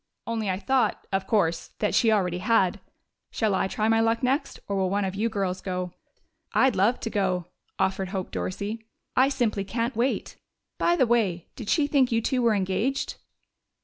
"Only I thought, of course, that she already had.... Shall I try my luck next, or will one of you girls go?" "I'd love to go," offered Hope Dorsey. "I simply can't wait. By the way, did she think you two were engaged?"